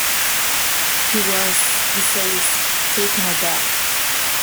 He was, he says, "taken aback."